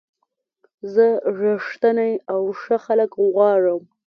زه رښتیني او ښه خلک غواړم.